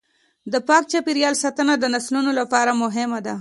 د پاک چاپیریال ساتنه د نسلونو لپاره مهمه ده.